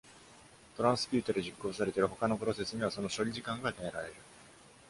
トランスピュータで実行されている他のプロセスには、その処理時間が与えられる。